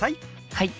はい。